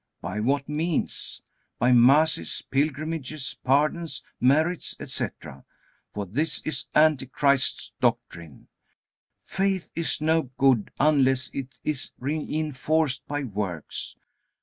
By what means? By masses, pilgrimages, pardons, merits, etc. For this is Antichrist's doctrine: Faith is no good, unless it is reinforced by works.